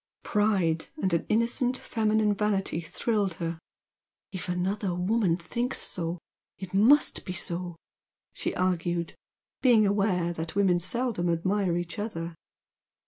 Pride, and an innocent feminine vanity thrilled her; "if another woman thinks so, it must be so," she argued, being aware that women seldom admire each other.